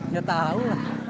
ya tau lah